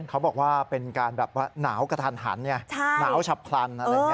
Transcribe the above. เขาบอกว่าเป็นการแบบว่าหนาวกระทันหันหนาวฉับครัน